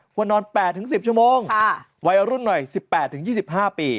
ควรนอนแปดถึงสิบชั่วโมงค่ะวัยอรุ่นหน่อยสิบแปดถึงยี่สิบห้าปี